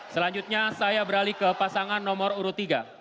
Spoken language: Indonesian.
selanjutnya saya beralih ke pasangan nomor urut tiga